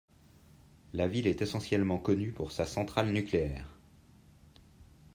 La ville est essentiellement connue pour sa centrale nucléaire.